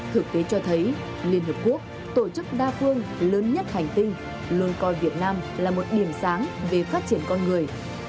thực tế cho thấy liên hợp quốc tổ chức đa phương lớn nhất hành tinh luôn coi việt nam là một điểm sáng về phát triển con người